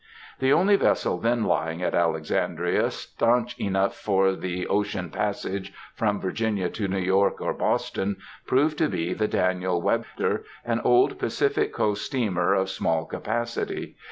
The only vessel then lying at Alexandria stanch enough for the ocean passage from Virginia to New York or Boston, proved to be the Daniel Webster, an old Pacific Coast steamer of small capacity.